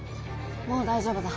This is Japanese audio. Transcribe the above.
もう大丈夫だ。